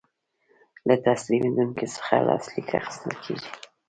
له تسلیمیدونکي څخه لاسلیک اخیستل کیږي.